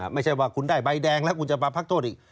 ไม่ใช่ว่าคุณได้ใบแดงแล้วคุณจะมาพักโทษอีก